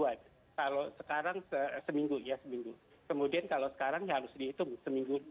kemudian kalau sekarang ya harus dihitung seminggu